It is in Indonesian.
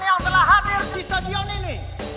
yang telah hadir di stadion ini